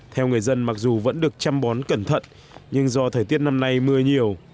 theo người dân mặc dù vẫn được chăm bón cẩn thận nhưng do thời tiết năm nay mưa nhiều